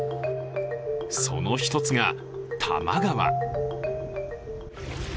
その一つが、多摩川。